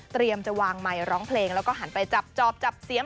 จะวางไมค์ร้องเพลงแล้วก็หันไปจับจอบจับเสียง